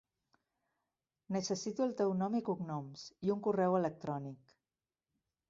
Necessito el teu nom i cognoms i un correu electrònic.